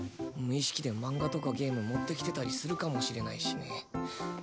無意識で漫画とかゲーム持ってきてたりするかもしれないしね。